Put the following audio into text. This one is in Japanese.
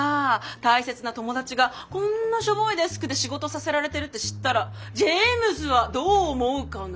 大切な友達がこんなしょぼいデスクで仕事させられてるって知ったらジェームズはどう思うかな？